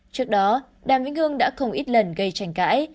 trước đó đàm vĩnh hương đã không ít lần gây tranh cãi